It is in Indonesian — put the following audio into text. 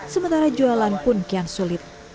sementara jualan pun kian sulit